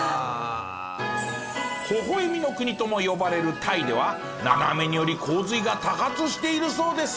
微笑みの国とも呼ばれるタイでは長雨により洪水が多発しているそうです。